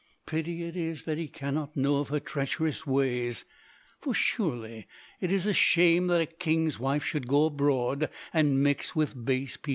Pity it is that he cannot know of her treacherous ways, for surely it is a shame that a king's wife should go abroad and mix with base people.'